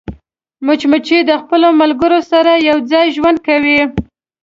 مچمچۍ د خپلو ملګرو سره یوځای ژوند کوي